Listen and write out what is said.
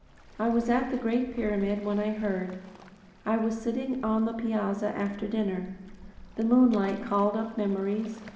I was at the Great Pyramid when I heard. I was sitting on the piazza after dinner. The moonlight called up memories.